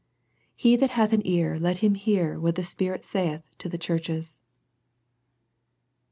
" He that hath an ear, let him hear what the Spirit saith to the churches."